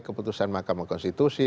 keputusan mahkamah konstitusi